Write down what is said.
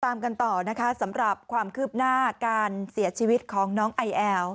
ตามกันต่อนะคะสำหรับความคืบหน้าการเสียชีวิตของน้องไอแอล